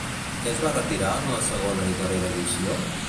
Què es va retirar en la segona i darrera edició?